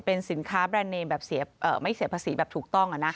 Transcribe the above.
เป็นสินค้าแบรนด์เนมแบบไม่เสียภาษีแบบถูกต้อง